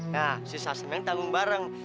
nah sisa seneng tanggung bareng